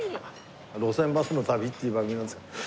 『路線バスの旅』っていう番組なんですけど。